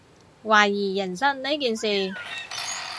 懷疑人生呢件事